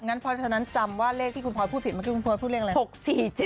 งั้นพอเช่นนั้นจำว่าเลขที่คุณพลอยพูดผิดมันคือคุณพลอยพูดเลขอะไร